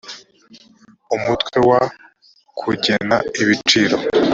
umutwe wa v kugena ibiciro